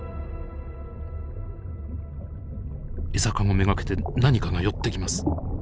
餌かご目がけて何かが寄ってきます。